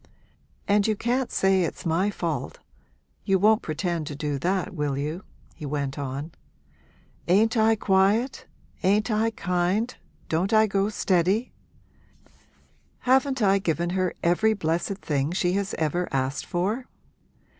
'And you can't say it's my fault you won't pretend to do that, will you?' he went on. 'Ain't I quiet, ain't I kind, don't I go steady? Haven't I given her every blessed thing she has ever asked for?'